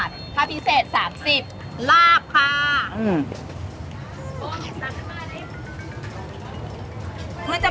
ความเป็นราบอ่ะนะรักกว่า